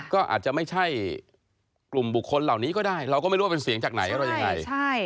ก็อาจจะไม่ใช่กลุ่มบุคคลเหล่านี้ก็ได้เราก็ไม่รู้ว่าเป็นเสียงจากไหนอะไรยังไง